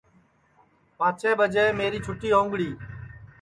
پانٚچیں ٻجے میری چھُتی ہوؤنگڑی